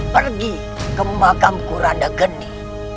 pergi ke makam kuranda gede